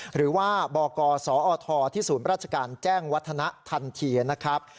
หรือว่าบกสอทที่ศูนย์ราชการแจ้งวัฒนะทันทีนะครับ